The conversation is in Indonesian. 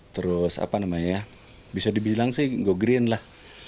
terus apa namanya ya bisa dibilang sih go green lah